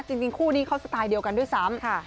จริงคู่นี้เขาสไตล์เดียวกันด้วยซ้ำ